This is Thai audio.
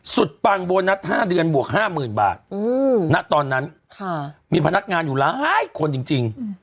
สุดปังโบนัสห้าเดือนบวกห้าหมื่นบาทอืมณตอนนั้นค่ะมีพนักงานอยู่หลายคนจริง